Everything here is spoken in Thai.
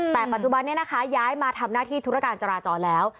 แต่ปัจจุบันนี้นะคะย้ายมาทำหน้าที่ธุรการจราจรแล้ว